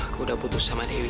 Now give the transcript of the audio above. aku udah putus sama diri